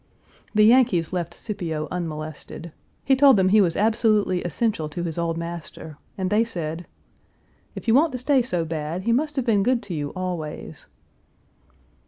The Yankees left Scipio unmolested. He told them he was absolutely essential to his old master, and they said, "If you want to stay so bad, he must have been good to you always."